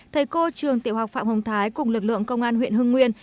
thầy cô trường tiểu học phạm hồng thái cùng lực lượng công an huyện hưng nguyên